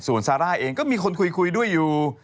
ส่วนซาร่าเองก็มีคนคุยด้วยอยู่